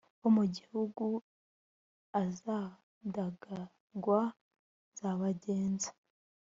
Bo mu gihugu azadagadwa nzabagenza